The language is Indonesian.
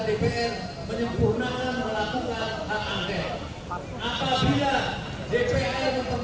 dan menurunkan agar dpr